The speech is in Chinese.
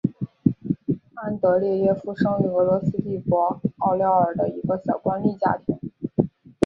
安德列耶夫生于俄罗斯帝国奥廖尔的一个小官吏家庭。